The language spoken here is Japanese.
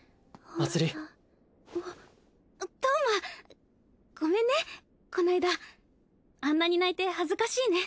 あっ橙真ごめんねこの間あんなに泣いて恥ずかしいね。